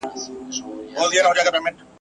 دغه نظريې